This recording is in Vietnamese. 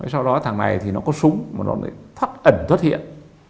sau đó thằng này thì nó có súng mà nó lại thắt ẩn xuất hiện